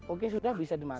oke sudah bisa dimakan